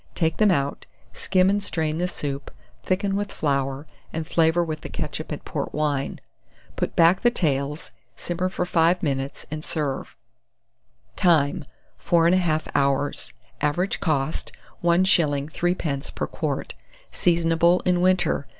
Take them out, skim and strain the soup, thicken with flour, and flavour with the ketchup and port wine. Put back the tails, simmer for 5 minutes, and serve. Time. 4 1/2 hours. Average cost, 1s. 3d. per quart. Seasonable in winter.